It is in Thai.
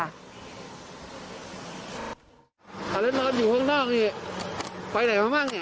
อาเลนส์นอนอยู่ห้องนอกนี่ไปไหนมาบ้างนี่